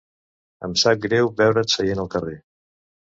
Em sap greu veure't seient al carrer.